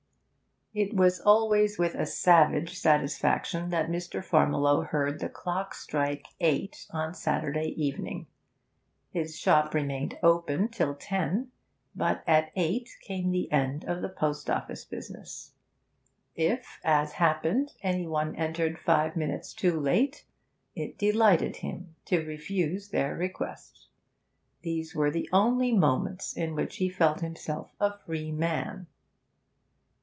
It was always with a savage satisfaction that Mr. Farmiloe heard the clock strike eight on Saturday evening. His shop remained open till ten, but at eight came the end of the post office business. If, as happened, any one entered five minutes too late, it delighted him to refuse their request. These were the only moments in which he felt himself a free man.